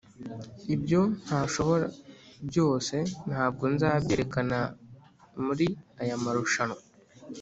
Ibyo ntashobora byose, ntabwo nzabyerekana muri aya marushanwa